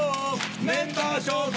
メンバー紹介